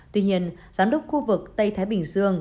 tuy nhiên giám đốc khu vực tây thái bình dương